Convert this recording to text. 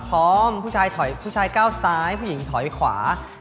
พร้อมผู้ชายเก้าซ้ายผู้หญิงถอยขวา